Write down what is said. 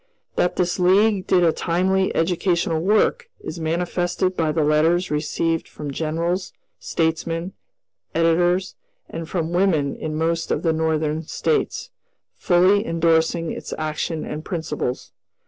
That this League did a timely educational work is manifested by the letters received from generals, statesmen, editors, and from women in most of the Northern States, fully indorsing its action and principles.